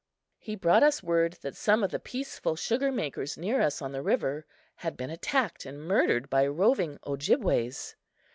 He brought us word that some of the peaceful sugar makers near us on the river had been attacked and murdered by roving Ojibways.